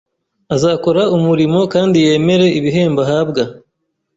Azakora umurimo kandi yemere ibihembo ahabwa.